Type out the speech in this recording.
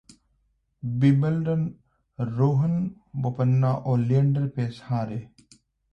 विंबलडनः रोहन बोपन्ना और लिएंडर पेस हारे